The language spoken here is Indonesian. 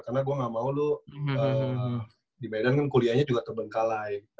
karena gue gak mau lo di medan kan kuliahnya juga terbengkalai